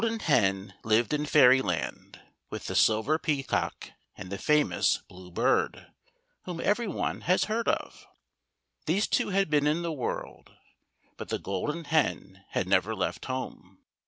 N HEN lived in Fairyland with the Silver Peacock and the famous Blue Bird, whom every one has heard of. These two had been in the world, but the Golden Hen had never left home.